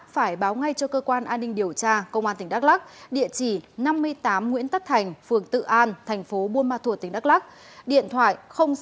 phải báo ngay cho cơ quan an ninh điều tra công an tỉnh đắk lắc địa chỉ năm mươi tám nguyễn tất thành phường tự an thành phố buôn ma thuột tỉnh đắk lắc điện thoại sáu mươi chín bốn nghìn ba trăm tám mươi chín một trăm ba mươi ba